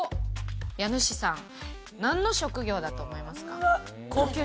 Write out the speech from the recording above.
家主さん何の職業だと思いますか？